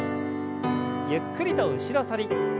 ゆっくりと後ろ反り。